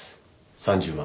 ３０万。